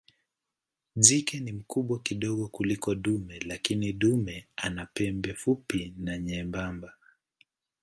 Jike ni mkubwa kidogo kuliko dume lakini dume ana pembe fupi na nyembamba.